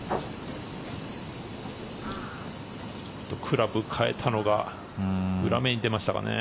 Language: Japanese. クラブ変えたのが裏目に出ましたかね。